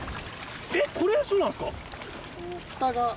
えっこれそうなんですか？